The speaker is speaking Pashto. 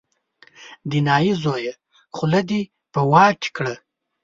د نايي زویه خوله دې په واک کې کړه.